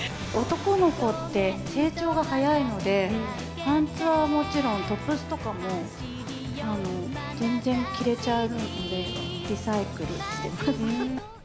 男の子って、成長が早いので、パンツはもちろん、トップスとかも、全然着れちゃうんで、リサイクルしてます。